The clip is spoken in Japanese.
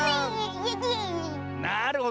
なるほど。